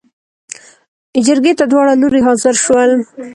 جرګې ته داوړه لورې حاضر شول.